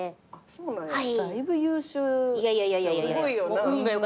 そうなんですよ。